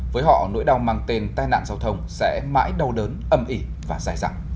với họ nỗi đau mang tên tai nạn giao thông sẽ mãi đau đớn âm ỉ và dài dặn